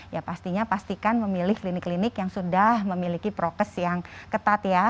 ya pastinya pastikan memilih klinik klinik yang sudah memiliki prokes yang ketat ya